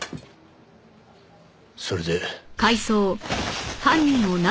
それで。